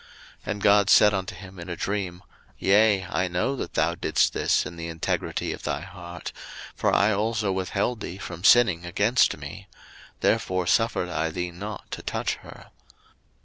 01:020:006 And God said unto him in a dream, Yea, I know that thou didst this in the integrity of thy heart; for I also withheld thee from sinning against me: therefore suffered I thee not to touch her.